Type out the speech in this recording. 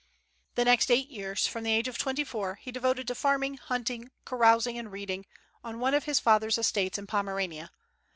The next eight years, from the age of twenty four, he devoted to farming, hunting, carousing, and reading, on one of his father's estates in Pomerania.